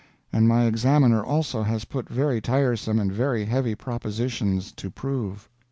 And my examiner also has put very tiresome and very heavy propositions to prove."